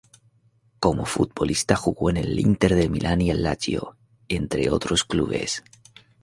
Como futbolista jugó en el Inter de Milán y el Lazio, entre otros clubes.